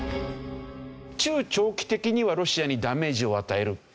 中長期的にはロシアにダメージを与える。